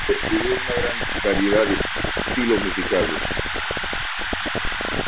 Estudió una gran variedad de estilos musicales.